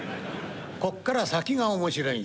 こっから先が面白い」。